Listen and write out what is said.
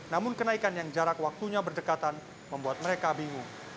namun kenaikan yang jarak waktunya berdekatan membuat mereka bingung